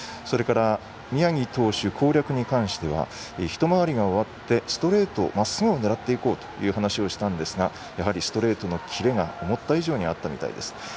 それから宮城投手攻略については１回りが終わってストレートまっすぐを狙っていこうと話をしたんですがやはりストレートのキレが思った以上にあったみたいですと。